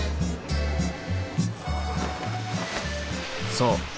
そう。